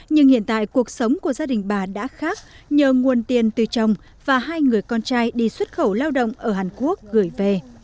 nhưng hiện tại cuộc sống của gia đình bà đã khác nhờ nguồn tiền từ chồng và hai người con trai đi xuất khẩu lao động ở hàn quốc gửi về